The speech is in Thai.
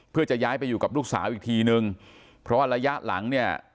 เพื่อจะย้ายไปอยู่กับลูกสาวอีกทีนึงเพราะว่าระยะหลังเนี่ย